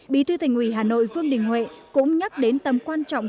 bí thư thành ủy hà nội vương đình huệ cũng nhắc đến tầm quan trọng